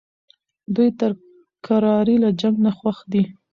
دوی تر کرارۍ له جنګ نه خوښ دي.